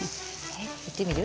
いってみる？